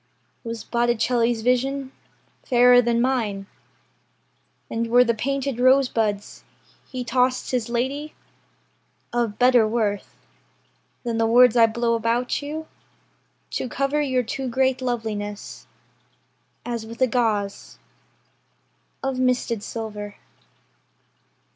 Was Botticelli's vision Fairer than mine; And were the painted rosebuds He tossed his lady, Of better worth Than the words I blow about you To cover your too great loveliness As with a gauze Of misted silver?